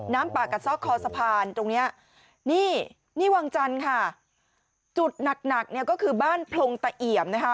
น้ำป่ากัดเซาะคอสะพานตรงนี้นี่วางจันทร์ค่ะจุดหนักก็คือบ้านพลงตะเอี่ยมนะคะ